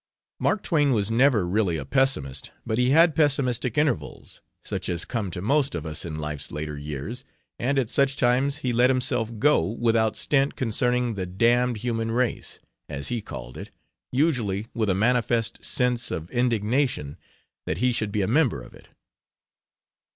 Mark Twain was never really a pessimist, but he had pessimistic intervals, such as come to most of us in life's later years, and at such times he let himself go without stint concerning "the damned human race," as he called it, usually with a manifest sense of indignation that he should be a member of it.